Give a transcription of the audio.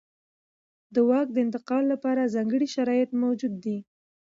د واک د انتقال لپاره ځانګړي شرایط موجود دي.